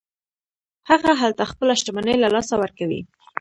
هغه هلته خپله شتمني له لاسه ورکوي.